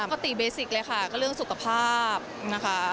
ปกติแบบที่แบบศิลป์เลยค่ะก็เรื่องสุขภาพนะคะ